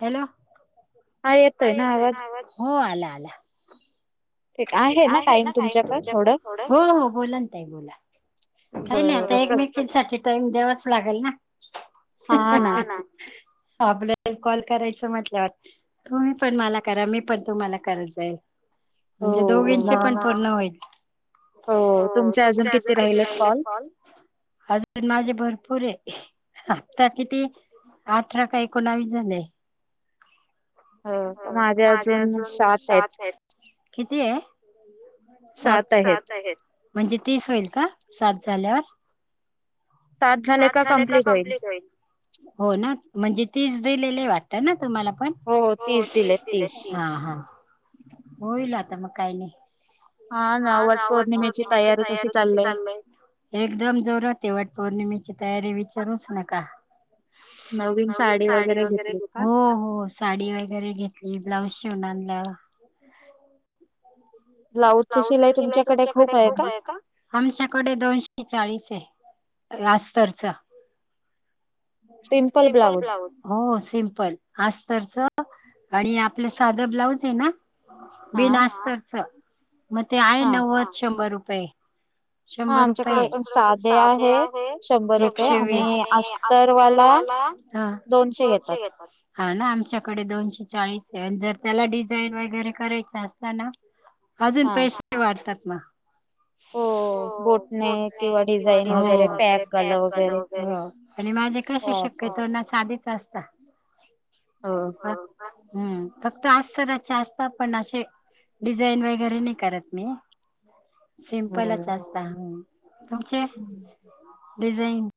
Hello येतय ना आवाज हो आला. आहे ना टाइम तुमच्या कड थोड? हो हो बोला नं ताई बोला. काहि नाही आता एकमेकीसाठी टाइम द्यावाच लागलं ना. हा ना आपले कॉल करायच म्हटल्यावर तुम्ही पण मला करा मी पण तुम्हाला करत जाईल. म्हणजे दोघींचे पण पूर्ण होईल. हो तुमचे अजून किती रांगलेतं कॉल अजून माझे भरपूर हें. आता किती अठरा का एकोणावीस झाले. ह माजे अजून सात आहेत किती आहे. सात सात आहेत म्हणजे तीस होईल का सात झाल्यावर सात झाले का कम्प्लीट होईल हो ना म्हणजे तीस दिलेले वाटत ना. तुम्हाला पण हो तीस दिले तीस होईल आता मग काही नाही हा. हा ना वट पौर्णिमेची तयारी कशी चालल एकदम जोरात ए वट पौर्णिमे री विचारूच नका. नाही. नवीन साडी वगैरे हो हो साडी वगैरे घेतली ब्लाऊज शिवून आणला. [inaudible] [unintelligible] ब्लाऊजची शिलाई तुमच्याकडे खूप आहे का आमच्याकडे दोनशे चाळीस ए आणि आस्तरचा सिम्पल ब्लाऊज हो सिम्पल असतरच. आणि आपलं साधं ब्लाऊज आहे ना बेनास्तरच म ते आहे नव्वद शंभर रुपये. शंभर रुपये आमच्याकडे साध आहे. एकशे वीस आणि असतरवाला हं दोनशे घेतात हा ना आमच्याकडे दोनशे चाळीस जर त्याला डिझाईन वगैरे करायच असत ना अजून पैशे वाढतात म हो बोटणे किंवा डिझाईन वगैरे पॅक पॅक गला वगैरे आणि माझे कशी शक्यतो ना साधीच असता. हो हम फक्त असतराचे असतात पण अशे डिझाईन वगैरे नाही करत मी सिमपलच असता, तुमचे डिजाईन?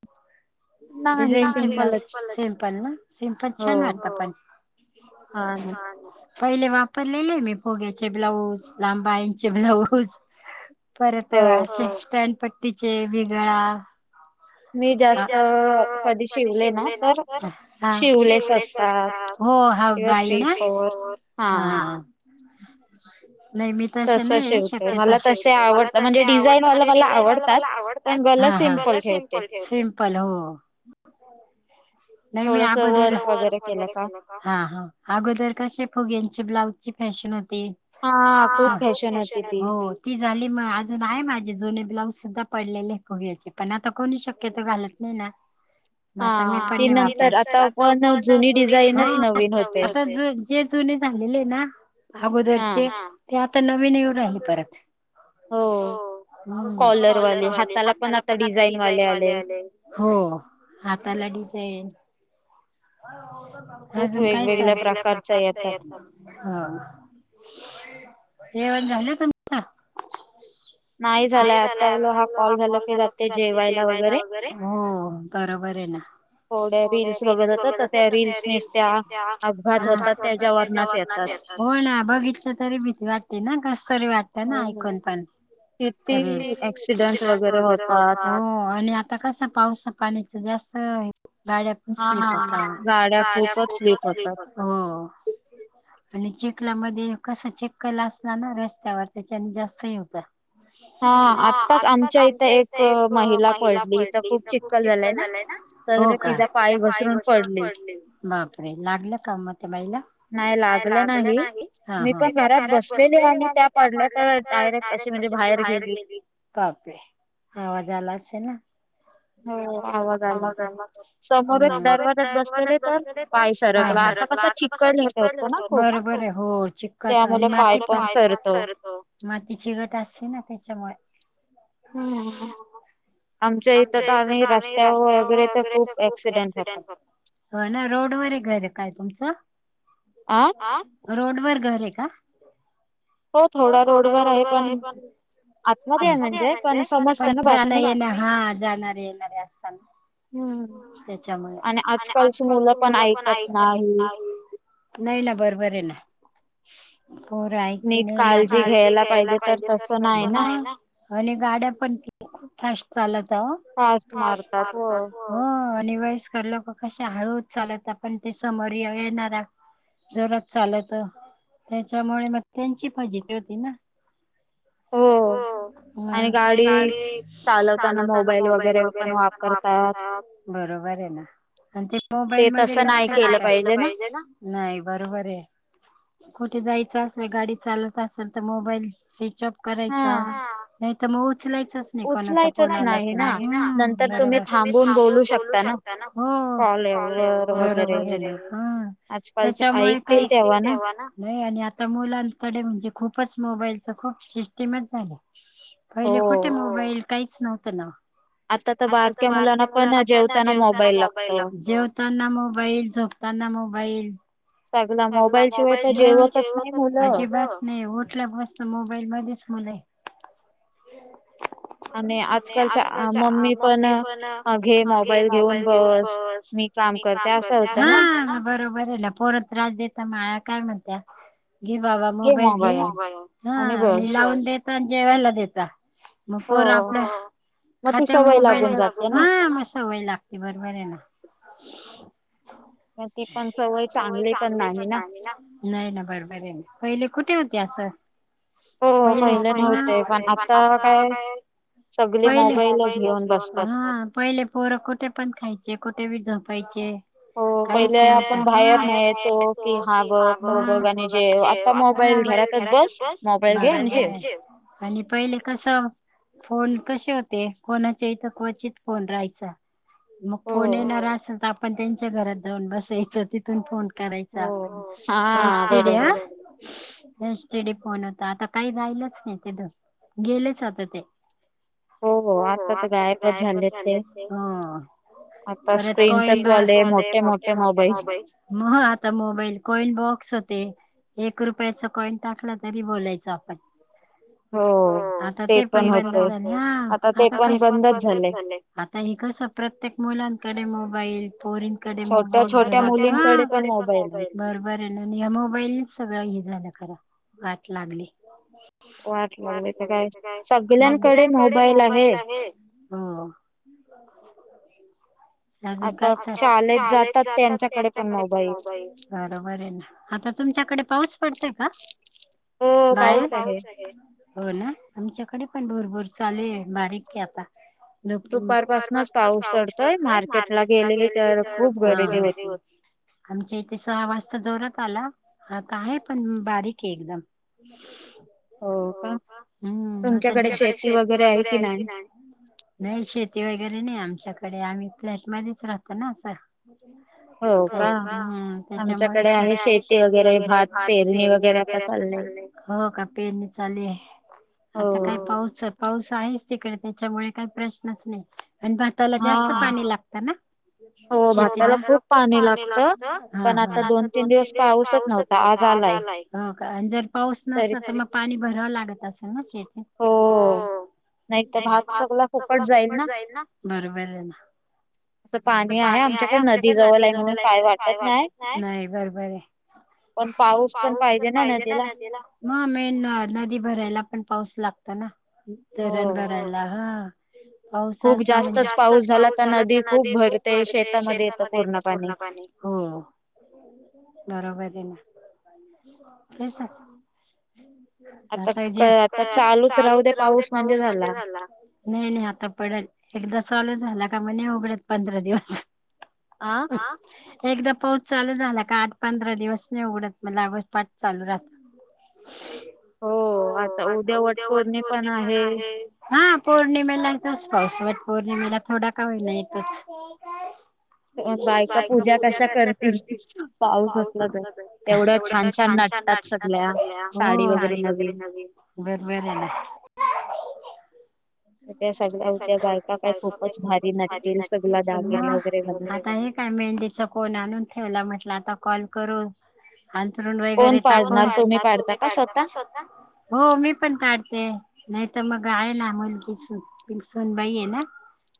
डिझाईनचे ब्लाउज सिम्पल ना सिमपल छान वाटत पण हा ना पहिले वापरलेले मी फुग्याचे ब्लाऊज लांब बाह्या चे ब्लाऊज परत असे शिस्ट स्टॅन्ड पट्टीचे व्ही गळा [inaudible] मी जास्त कधी शिवले ना तर शिवलेस असतात हे थ्री फोर हा नाही मी तसं नाही त हो मला तसे आवडत म्हणजे डिझाईन वाला मला आवडतात. सिपल सिम्पल सिमपल हो [inaudible] नाही मी अगोदर अगोदर कसे फुग्यांची ब्लाउज ती फॅशन हो ती हां खूप फॅशन होती ती ती झाली म अजून आहे माझे जुने ब्लाउ सुधा पडलेले फुग्याच्या पण आता कोणी शक्यत घालत नाही ना आता मी पण नाही वापरत हां जूने जे जूने झालेले ना अगोदरचे ते आता नवीन येऊ राहली परत हो कॉलरवाले हाताला पण आ डिझाईन वाले आले हो हाताला डिझाईन नाही हो अजून काही वेगवेगळ्या प्रकारच्या येतात हा जेवण झालं तुमचं? ब्लॅक [inaudible] [inaudible] [inaudible] नाही झालय आता हा कॉल झाला कि जाते जेवायला वगैरे थोडया रील्स बघत [unintelligible] तरी भीती वाटते ना कसतरी वाटत ना ऐकून पण ऐक्सीडेंट वगरे होतात हो आणि आता कस पावसा पाणीच जास्त गाडी आपली स्लीप गाड्या खूपच स्लीप होतात हो आणि चीकला मध्ये कसं चीक्कल आसता ना रस्त्यावर त्याच्याने जास्त हे होतं. हा आताच आमच्या इथ एक महिला पडली इथं खूप चिक्कल झालाय. हो का तिजा पाय घसरून पडली बापरे लागलं का मग त्या बाईला? नाय लागलं नाही मी पण घरात बसलेली आणि त्या पडल्या त्यावेळी डायरेक्ट अशी म्हणजे बाहेर गेली. पापे आवाज आला असेल ना. हो आवाज आला त समोरच दरवाज्यात बसलेले ना, पाय सरकला. असा कसा चिक्कल होतो. हो चिकट आणि माती पण [unintelligible] माती चिकट असते ना त्याच्यामुळे हम्म आमच्या इथं का आम्ही रस्त्या वगैरे तर खूप ऍक क्सिडेंट होतात हो ना रोडवर हे घर काय तुमचं? आ रोड वर घर हे का? हो थोडा रोड वर आहे पण अच्छा बी हाय म्हणजे पण पण जाण येन हा जाणारे येणारे असतान त्याच्यामुळे आणि आजकालची मुलं पण ऐकात [unintelligible] नाई ना बरोबर हाय ना पोरा [unintelligible] काळजी घ्यायला पाहीजे तर तसं नाई ना आणि गाड्या पण [unintelligible] चालतं असणार तर होय. आणि वयस्कर लोक कश हळूच चालता पण ते समोर ये येणारा जोरात चालत त्याच्यामुळे मग त्यांची फजिती होती ना. हो. आणि गाडी चालवताना मोबाईल वगैरे पण वापरतात बरोब बर ये ना. आणि ते मोबाईल मध्ये लक्ष ते तसं नाई केलं पाहिजे ना नाही बरोबर आहे. कुठे जाय चसलं गाडी चालत असेल तर मोबाईल स्विच ऑफ करायचा नाहीतर मग उचलायचाच नाही कॉल आता कोणालाच [unintelligible] नंतर तुम्ही थांबून बोलू शकता ना हो. हो बरोबर [unintelligible] हा. त्याच्यामुळे काही ऐकतील तेव्हा ना आणि आता मो मुलांकडे म्हणजे खूपच मोबाईल च खूप सिस्टीमच झाले. पहिले खोठे मोबाईल काहीच नव्हतं ना. आता तर बारक्या मुलांना पण जेवताना मोबाईल ला जेवताना मोबाईल झोप तना मोबाईल [unintelligible] मोबाईल शिवाय तर जेवण अजिबात नाई ओटल्यापसत मोबाईल मध्येच मुल हाय. [inaudible] आणि आजकालच्या मम्मी पण घे मोबाईल घेऊन बस मी मी काम करते हां बरोबर हाय पोरं त्रास देता मा आया काय म्हणत्या घे बाबा मोबाईल घे ह आणि लावून देता आणि जेवायला देता म पोरं आपल हो. खात्यावर मोबाईल ह म सवई लागते बरोबर हाय ना. [inaudible] पण ती पण सवय चांगली पण नाही ना नाही ना बरो पहिले कुठे होते असं. पहिलं हो पाहिलं न्हवते पण आता काय पहिले ताची मोबाईलच घेऊन बसतात पहिले पोर कुठे पण खायचे कुठे बी झोप पायचे काहीच हो पहिले आपण बाहेर न्यायचो की हा बग आणि जेव आता मोबाईल घरातच बस मोबाईल घे आणि जेव आणि पहिले कसं फोन कशे होते कोणाच्या इथ क्वचित फोन राहायचा मग फोन येणार असल तर आप पण त्यांच्या घरात जाऊन बसायचं तिथून फोन हो हा. तडी ह! नस्टरडे फोन होता आता काही राहिलंच नाही तिथ गेलेच होता ते. हो हो आता तर गाय पण छानते. त मो आता मोबाईल बॉस होते. एक रुपयाचा कॉइन टाकला तरी बोलायच आपण. हम! आता ते पण बंद झा आ झा आता हे कस. प्रत्येक मुलांकडे मग. मोल पोरीनकडे मोबाईलण मोबा बरोबर आहे [inaudible] मोबाईल सगळं घलं ना खर वाट लागली. स्मार्टन काय सगळ्यांकडे मोबाईल आहे. हो. [inaudible] अ काय शालेेत जातात त्यांच्याकडे पण मोबाईल बरोबर आहे ना आता तुमच्याकडे पाऊस पडतोय का? नाही पाऊस नाही, होना आमच्या कडे पण भूरभूर चालु आहे बारीक आहे आता. दुपारपासूनच पाऊस पडतोय, मार्केट ला गेलेले त्यावेळेला खूप गर्दी होती. आमच्या इथे सहा वाजता जोरात आला. काय आहे पण बारीक आहे एकदम हो आ तिच्याकडे शेती वगैरे आहे कि नाही? नाही शेती वगैरे नाही आमच्याकडे आम्ही फ्लॅट मध्येच राहतो आता हो ह त्याच्यामुळेच आहे शेती वगैरे भात पेरणी वगैरे असं चालंय हो का, पेरणी चालु आहे. आता काय पाऊस पाऊस आहेच. तिकडे त्याच्यामुळे काही प्रश्नच नाही आणि भाताला जास्त पाणी लागत ना? शेती भाताला खूप पाणी लागत पण आता दोन तीन दिवस पाऊसच नव्हता, आज आलाय. हो का, जर पाऊस नसता तर मग पाणी भरावं लागत असेल. ना हो नाहीतर भात फुकट जाईल ना, बरोबर आहे ना. पाणी आहे आमच्याकडे, नदी जवळ आहे, म्हणून काय वाटत नाही. बरहे पाऊस तर पाहिजे ना नदीला, मेन नदी भरायला पण पाऊस पाऊस लागत ना धरण भरायला हा पाऊस असला म्हणजे, खुप जास्तच पाऊस झाला तर नदी खुप‌ भरते, शेतामध्ये येत पूर्ण पाणी. हो बरोबार‌ हेना तेच आता काय, आता चालूच राहू दे पाऊस, म्हणजे झाला, नाही नाही आता पडेल. एकदाच चालू झाला का मग, नाही उघडत पंधरा दिवस, एकदा पाऊस चालू झाला का, आठ पंधरा दिवस नाही उघडत, मग लागोपाठ चालू राहतो. हो आता उद्या वटपौर्णिमा आहे. पौर्णिमेला येतोच पाऊस, वटपौर्णिमेला थोडा का होईना येतोच. हो बायका पूजा कशा पाऊसच ना, एवढ्या छान छान नटतात सगळ्या. साडीत बर बर आहे ना त्या साठी उद्या बायका खूपच भारी नटतील. दागिने वगैरे काय मेहंदीचा कोन आणून ठेवला, म्हटल आता कॉल करू. अथरूण वगैरे टाकुन तुम्ही काढतात काय स्वतः, हो मी पण काढते. नाही तर मग आहे ना मुलगी सोनबाई आहे ना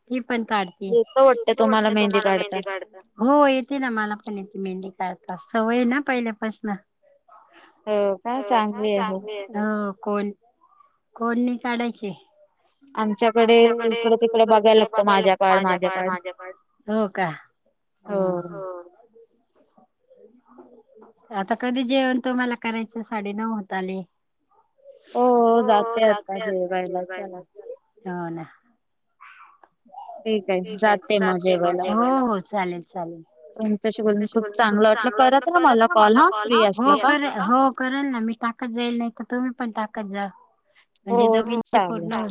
ते पण काढते सोपे वाटते तुम्हाला मेहंदी काढायला हो मी पण काढते मेंढडी काढता सवय ना पहिल्यापासन हो हा चांगली आहे ना कोण कोणणी काढायचे आमच्याकडे इकडे तिकडे बघायला लागतो माझ्या काड माझ्याड हो का ह हो आता कधी जेवण तुम्हाला करायचं साडे नऊता आले हो जात मा जेवघायला हो ना ठीक आहे जाते हो हो चालेल चालेल खूप चांगलं वाट करत ना मला कॉल करेल ना मी तू मी पण टाकजा म्हणजे ज पूर्ण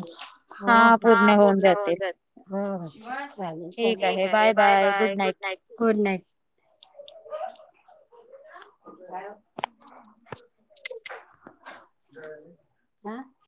हो हा पूर्ण होऊन जात हो चालेल चालेल ठीक आहे bye bye good night good night तुय हं